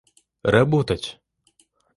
работать